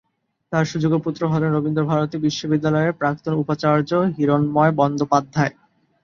তাঁর সুযোগ্য পুত্র হলেন রবীন্দ্র ভারতী বিশ্ববিদ্যালয়ের প্রাক্তন উপাচার্য হিরণ্ময় বন্দ্যোপাধ্যায়।